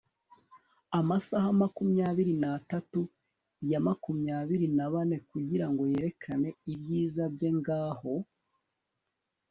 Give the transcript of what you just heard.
Amasaha makumyabiri natatu ya makumyabiri na bane kugirango yerekane ibyiza bye ngaho